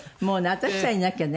私さえいなきゃね